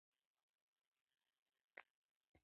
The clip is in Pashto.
ایا له چټلۍ ځان وساتم؟